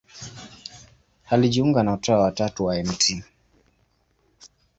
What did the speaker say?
Alijiunga na Utawa wa Tatu wa Mt.